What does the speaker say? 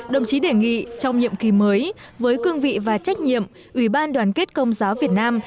đồng chí đề nghị trong nhiệm kỳ mới với cương vị và trách nhiệm ủy ban đoàn kết công giáo việt nam